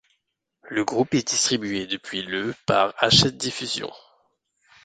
Le groupe est distribué depuis le par Hachette Diffusion.